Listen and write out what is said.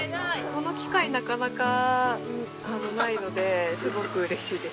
その機会なかなかないのですごく嬉しいです。